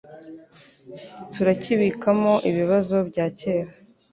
turakibikamo ibi bibazo byakera